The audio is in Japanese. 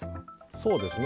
そうですね。